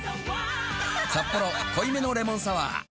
「サッポロ濃いめのレモンサワー」